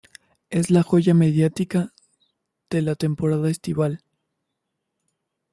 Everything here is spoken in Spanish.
Es la joya mediática de la temporada estival.